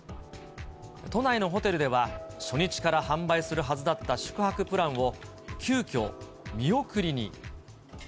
都内のホテルでは、初日から販売するはずだった宿泊プランを急きょ、見送りに。